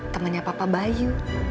temennya papa bayu